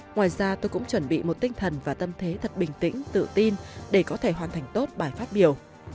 ngoài ra tôi cũng chuẩn bị một tinh thần và tâm thế thật bình tĩnh tự tin để có thể hoàn thành tốt bài phát biểu